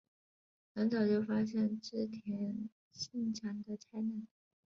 很早就发现织田信长的才能。